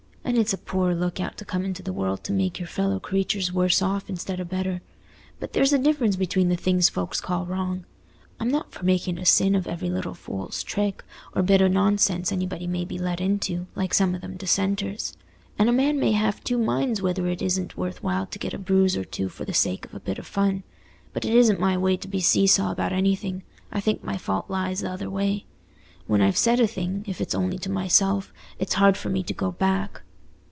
And it's a poor look out to come into the world to make your fellow creatures worse off instead o' better. But there's a difference between the things folks call wrong. I'm not for making a sin of every little fool's trick, or bit o' nonsense anybody may be let into, like some o' them dissenters. And a man may have two minds whether it isn't worthwhile to get a bruise or two for the sake of a bit o' fun. But it isn't my way to be see saw about anything: I think my fault lies th' other way. When I've said a thing, if it's only to myself, it's hard for me to go back."